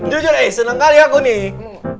jujur iih seneng kali aku nih